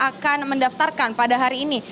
akan mendaftarkan pada hari ini